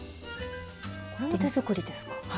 これも手作りですか？